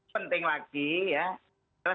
penting lagi ya